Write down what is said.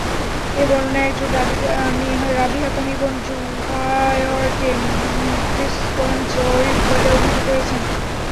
এ বর্ণনায় একজন রাবী হাকাম ইবন যুহায়রকে মুহাদ্দিসগণ যঈফ বলে অভিহিত করেছেন।